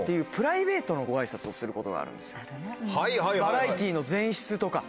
バラエティーの前室とか。